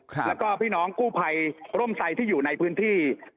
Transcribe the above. แล้วก็พี่น้องกู้ภัยร่มไซที่อยู่ในพื้นที่